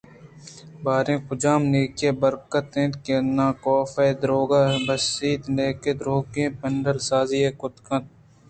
باریں کجام نیکی ءِ برکُت اَت کہ نہ کاف ءَدرٛوگ بست ءُنئیکہ درٛوگیں پندل سازی ئے کُت اَنت